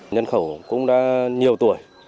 nhân khẩu cũng đã nhiều tuổi